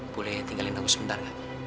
boleh tinggalin aku sebentar